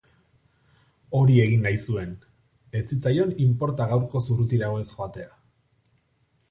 Hori egin nahi zuen, ez zitzaion inporta gaurkoz urrutirago ez joatea.